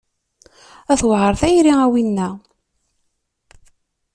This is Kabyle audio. A tewɛer tayri a winna.